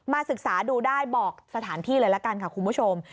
ศึกษาดูได้บอกสถานที่เลยละกันค่ะคุณผู้ชม